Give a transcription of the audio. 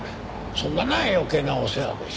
そんなのは余計なお世話でしょ？